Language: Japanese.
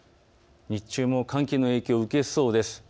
日中も寒気の影響を受けそうです。